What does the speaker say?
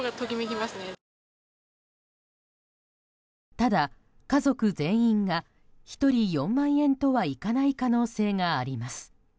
ただ、家族全員が１人４万円とはいかない可能性があります。